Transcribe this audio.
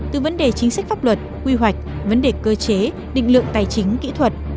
từ vấn đề chính sách pháp luật quy hoạch vấn đề cơ chế định lượng tài chính kỹ thuật